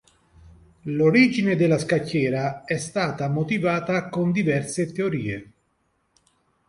L'origine della scacchiera è stata motivata con diverse teorie.